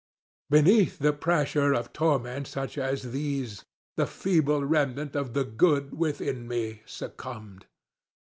_ Beneath the pressure of torments such as these, the feeble remnant of the good within me succumbed.